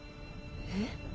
えっ？